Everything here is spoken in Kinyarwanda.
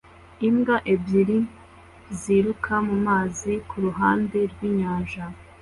Imbwa ebyiri ziruka mumazi kuruhande rwinyanja